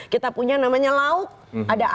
kita punya namanya laut ada